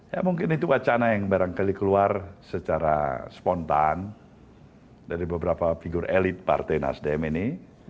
ya mungkin itu wacana yang barangkali keluar secara spontan dari beberapa figur elit partai nasdem ini